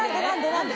何で？